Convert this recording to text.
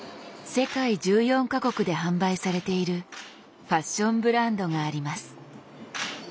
世界１４か国で販売されているファッションブランドがあります。